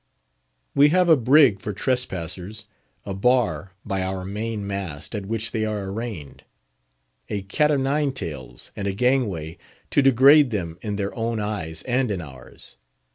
We have a brig for trespassers; a bar by our main mast, at which they are arraigned; a cat o' nine tails and a gangway, to degrade them in their own eyes and in ours.